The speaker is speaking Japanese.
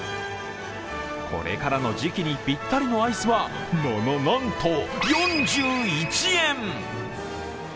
これからの時季にぴったりのアイスは、な、な、なんと４１円！